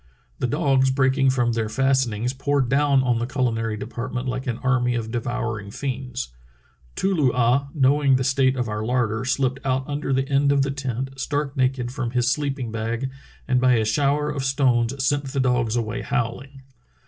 The dogs breaking from their fast enings poured down on the culinary department like an army of devouring fiends. Too loo ah, knowing the state of our larder, slipped out under the end of the tent, stark naked from his sleeping bag, and by a shower of stones sent the dogs away howling."